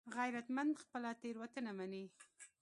غیرتمند خپله تېروتنه مني